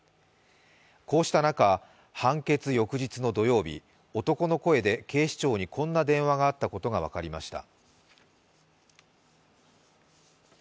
こうした中、判決翌日の土曜日男の声で警視庁にこんな電話があったことが分かりました。